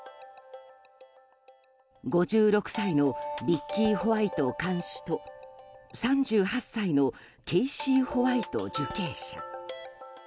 ５６歳のビッキー・ホワイト看守と３８歳のケイシー・ホワイト受刑者。